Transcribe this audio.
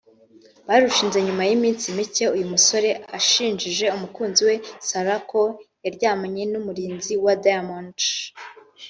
Barushinze nyuma y'iminsi mike uyu musore ashinjije umukunzi we Sarah ko yaryamanye n'umurinzi wa Diamond